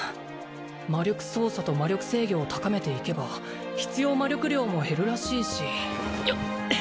魔力操作と魔力制御を高めていけば必要魔力量も減るらしいしよっ